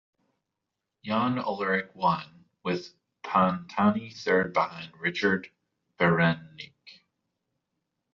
Jan Ullrich won, with Pantani third behind Richard Virenque.